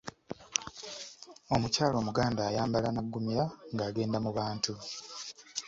Omukyala Omuganda ayambala n’aggumira ng’agenda mu bantu.